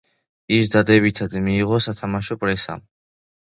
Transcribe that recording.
ის დადებითად მიიღო სათამაშო პრესამ.